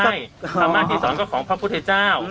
ภามากกี่สอนก็ของพระพุทธเจ้า